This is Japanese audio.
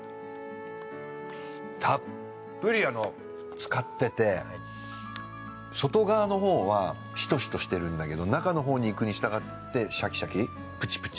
たっぷり漬かってて外側のほうはシトシトしてるんだけど中のほうにいくにしたがってシャキシャキプチプチ。